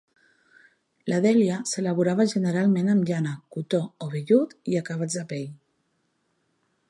La "delia" s'elaborava generalment amb llana, cotó o vellut i acabats de pell.